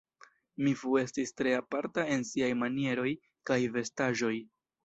Mi Fu estis tre aparta en siaj manieroj kaj vestaĵoj.